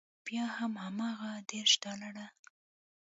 بیا هم هماغه دېرش ډالره.